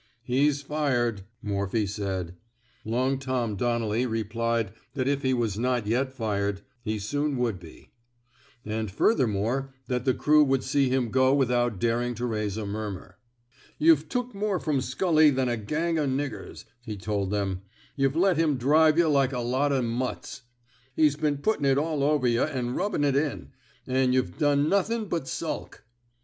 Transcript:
He^ fired,'' Morphy said. Long Tom " Donnelly replied that if he 253 THE SMOKE EATEBS was not yet fired, he soon would be; and furthermore that the crew would see him go without daring to raise a murmur. YuhVe took more from Scully than a gang o' nig gers,'' he told them. TuhVe let him drive yuh like a lot o' muts. He's been puttin' it all over yuh an' rubbin' it in — an' yuh've done nothin' but sulk."